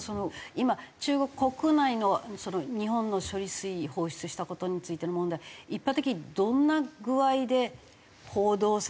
今中国国内の日本の処理水放出した事についての問題一般的にどんな具合で報道され。